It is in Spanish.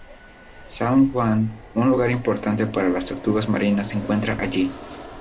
Sham Wan, un lugar importante para las tortugas marinas, se encuentra allí.